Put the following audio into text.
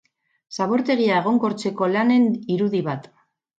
Zabortegia egonkortzeko lanen irudi bat.